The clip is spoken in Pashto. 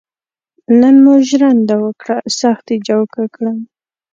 نن مو ژرنده وکړه سخت یې جوکه کړم.